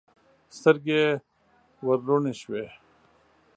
سترګې یې وروڼې شوې.